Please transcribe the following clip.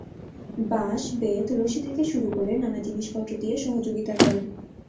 বাঁশ, বেত, রশি থেকে শুরু করে নানা জিনিসপত্র দিয়ে সহযোগিতা করেন।